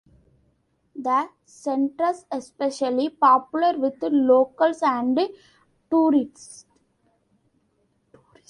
The centres especially popular with locals and tourists.